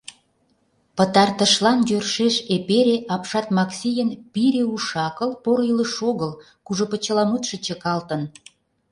Пытартышлан йӧршеш эпере Апшат Максийын «Пире уш-акыл — поро илыш огыл» кужу почеламутшо чыкалтын.